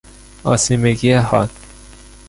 آسیمگی حاد